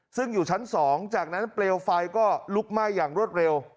ซึ่งอยู่ชั้น๒จากนั้นเปลวไฟก็ลุกไหม้อย่างรวดเร็ว